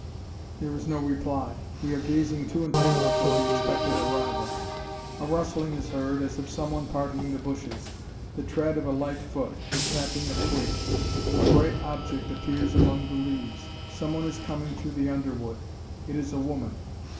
There is no reply; we are gazing too intently for the expected arrival. A rustling is heard, as of someone parting the bushes, the tread of a light foot, the snapping of twigs. A bright object appears among the leaves. Someone is coming through the underwood. It is a woman.